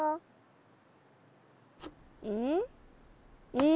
うん？